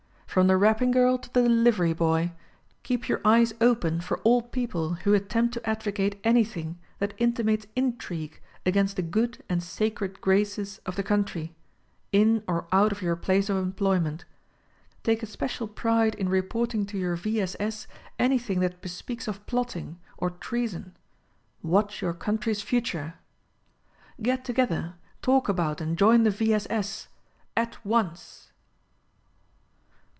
From the wrapping girl to the delivery boy: Keep your eyes open for all people who at/tempt to advocate anything that intimates intrigue against the good and sacred graces of the country, in or out of your place of employment ; take especial pride in reporting to your V. S. S. anything that bespeaks of plotting, or treason ; watch your country's future ! Get together; talk about and join the V. S. S. AT ONCE!